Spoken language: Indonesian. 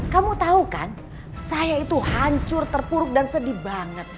kamu tahu kan saya itu hancur terpuruk dan sedih banget